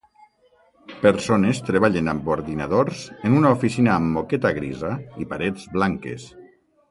Persones treballen amb ordinadors en una oficina amb moqueta grisa i parets blanques.